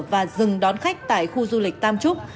và dừng đón khách tại khu du lịch tam trúc